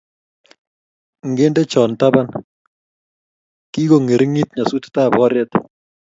Ngende cho taban, kikongeringit nyasuet ab oret